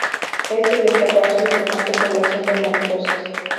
Es de destacar su importante población de mariposas.